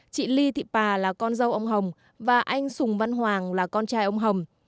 chị ly thị pà là con dâu ông hồng và anh sùng văn hoàng là con trai ông hồng